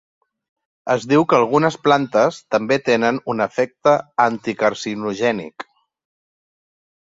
Es diu que algunes plantes també tenen un efecte anticarcinogènic.